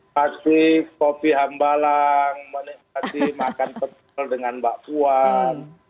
pasti kopi hambalang menikmati makan petul dengan mbak puan